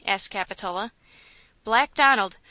asked Capitola. "Black Donald!